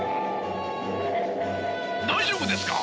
大丈夫ですか？